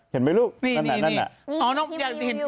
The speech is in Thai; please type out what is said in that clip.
อ๋อเฮ้ยพี่ฮิว